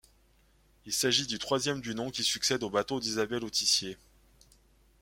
Il s'agit du troisième du nom qui succède au bateau d'Isabelle Autissier.